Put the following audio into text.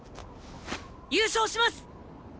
優勝します！